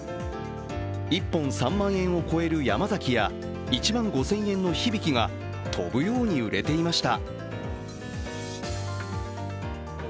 １本３万円を超える山崎や１万５０００円の響が飛ぶように売れていました。